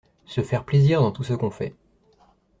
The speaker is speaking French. Se faire plaisir dans tout ce qu'on fait